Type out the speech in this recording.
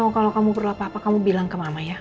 kalau kamu perlu apa apa kamu bilang ke mama ya